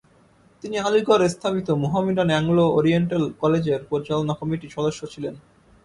তিনি আলিগড়ে স্থাপিত মোহামেডান অ্যাংলো-ওরিয়েন্টাল কলেজের পরিচালনা কমিটির সদস্য ছিলেন।